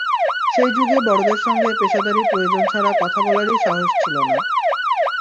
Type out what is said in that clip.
সেই যুগে বড়দের সঙ্গে পেশাদারি প্রয়োজন ছাড়া কথা বলারই সাহস ছিল না।